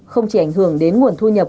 không chỉ ảnh hưởng đến nguồn thu nhập